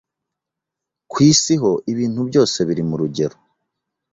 ku Isi ho ibintu byose biri mu rugero.